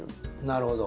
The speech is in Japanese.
なるほど。